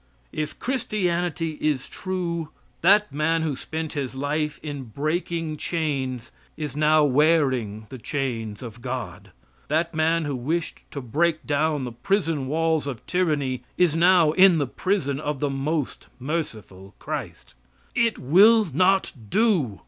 If Christianity is true, that man who spent his life in breaking chains is now wearing the chains of God; that man who wished to break down the prison walls of tyranny is now in the prison of the most merciful Christ. It will not do.